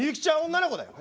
女の子だよ。